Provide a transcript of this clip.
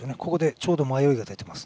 ちょうど迷いが出ています。